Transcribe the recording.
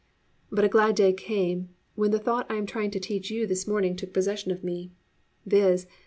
But a glad day came when the thought I am trying to teach you this morning took possession of me, viz.